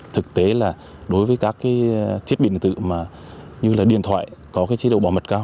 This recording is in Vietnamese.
thực tế là đối với các thiết bị nội dung như điện thoại có chế độ bảo mật cao